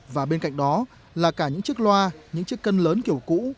và bên cạnh đó là cả những chiếc loa những chiếc cân lớn kiểu cũ